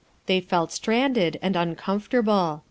They felt stranded and uncomfortable.